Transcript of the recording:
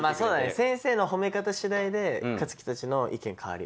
先生の褒め方次第で克樹たちの意見変わるよ。